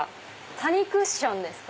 タニクッションですか？